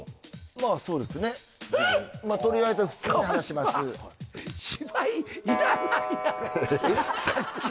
まあそうですねとりあえずは普通に話します川島！